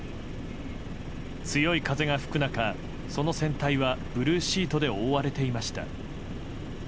強い風が吹く中、その船体はブルーシートで覆われていました。